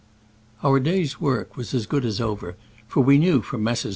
Our day's work was as good as over (for we knew from Messrs.